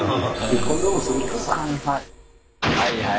「はいはい」。